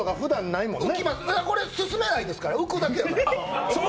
これ、進めないですからね浮くだけですからね。